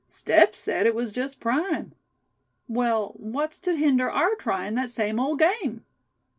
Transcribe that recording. Step said it was just prime. Well, what's to hinder our trying that same old game?"